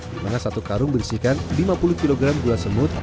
dimana satu karung berisikan lima puluh kg gula semut